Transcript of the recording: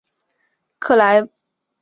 克莱埃布尔。